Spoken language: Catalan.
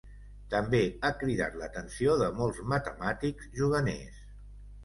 També ha cridat l'atenció de molts matemàtics juganers.